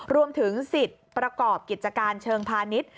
รวมถึงสิทธิ์ประกอบกิจการเชิงพาณิชย์